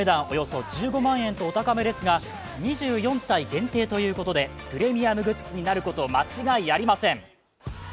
およそ１５万円とお高めですが２４体限定ということで、プレミアムグッズになること間違いありません。